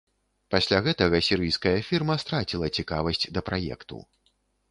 Пасля гэтага сірыйская фірма страціла цікавасць да праекту.